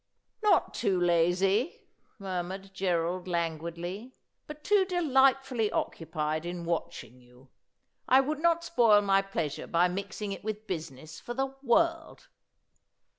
' Not too lazy,' murmured Gerald languidly, ' but too delight fully occupied in watching you. I would not spoil my pleasure by mixing it with business for the world.'